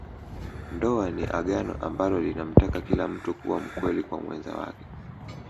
Ndoa ni Agano ambalo linamtaka kila mtu kuwa mkweli kwa mwenza wake